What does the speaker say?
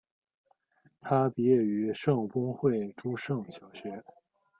他毕业于圣公会诸圣小学。